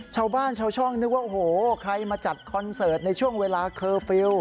ชาวบ้านชาวช่องนึกว่าโอ้โหใครมาจัดคอนเสิร์ตในช่วงเวลาเคอร์ฟิลล์